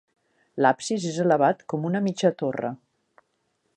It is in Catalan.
L'absis és elevat com una mitja torre.